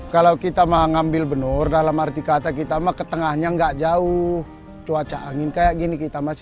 kalau kita mengambil benur dalam arti kata kita mah ke tengahnya nggak jauh cuaca angin kayak gini kita masih